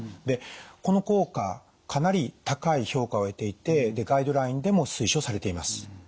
でこの効果かなり高い評価を得ていてガイドラインでも推奨されています。